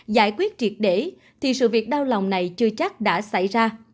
giải quyết triệt để thì sự việc đau lòng này chưa chắc đã xảy ra